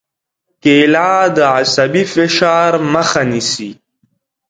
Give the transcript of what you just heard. کېله د عصبي فشار مخه نیسي.